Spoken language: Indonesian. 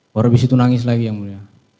baru abis itu nangis lagi ya mulia